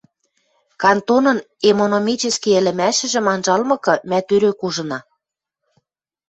Кантонын эмономический ӹлӹмӓшӹжӹм анжалмыкы, мӓ тӧрӧк ужына: